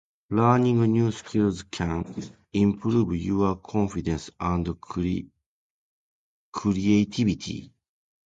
Learning new skills can improve your confidence and creativity.